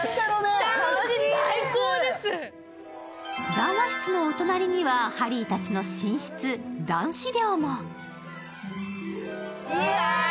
談話室のお隣には、ハリーたちの寝室、男子寮も。